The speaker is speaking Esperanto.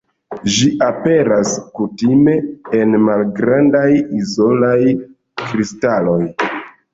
Ĝi aperas kutime en malgrandaj izolaj kristaloj.